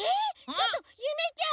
ちょっとゆめちゃん！